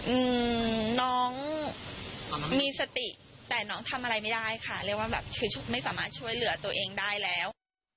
อืมน้องมีสติแต่น้องทำอะไรไม่ได้ค่ะเรียกว่าแบบคือไม่สามารถช่วยเหลือตัวเองได้แล้ว